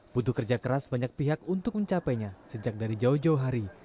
butuh kerja keras banyak pihak untuk mencapainya sejak dari jauh jauh hari